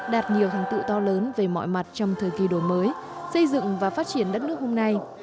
đạt nhiều thành tựu to lớn về mọi mặt trong thời kỳ đổi mới xây dựng và phát triển đất nước hôm nay